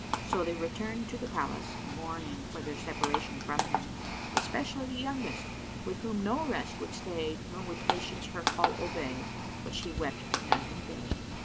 So they returned to the palace, mourning for their separation from him, especially the youngest, with whom no rest would stay nor would Patience her call obey, but she wept night and day.